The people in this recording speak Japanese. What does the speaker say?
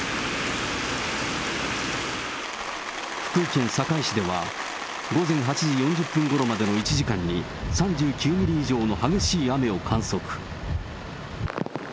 福井県坂井市では、午前８時４０分ごろまでの１時間に３９ミリ以上の激しい雨を観測。